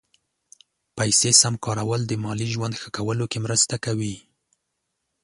پیسې سم کارول د مالي ژوند ښه کولو کې مرسته کوي.